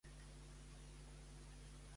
M'encanta escoltar cançons de hip-hop.